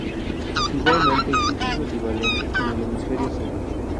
Igualmente existe su equivalente en el hemisferio sur.